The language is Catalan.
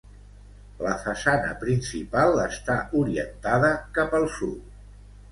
La façana principal està orientada cap al sud.